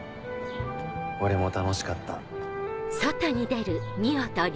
俺も楽しかった。